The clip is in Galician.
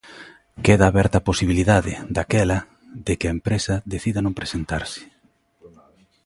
Queda aberta a posibilidade, daquela, de que a empresa decida non presentarse.